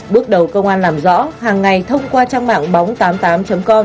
bước đầu công an làm rõ hàng ngày thông qua trang mạng bóng tám mươi tám com